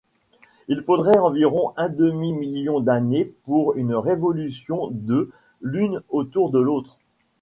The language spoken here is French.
Il faudrait environ un demi-million d'années pour une révolution de l'une autour de l'autre.